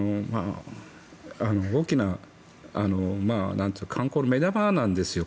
大きな観光の目玉なんですよ。